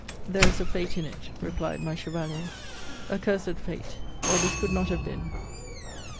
There is a fate in it! replied my chevalier a cursed fate! or this could not have been!